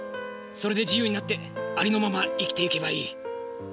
それで自由になってありのまま生きていけばいい。